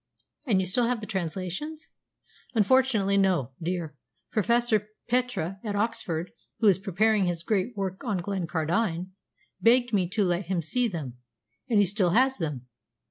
"And you still have the translations?" "Unfortunately, no, dear. Professor Petre at Oxford, who is preparing his great work on Glencardine, begged me to let him see them, and he still has them."